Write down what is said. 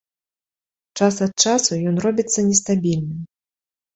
Час ад часу ён робіцца нестабільным.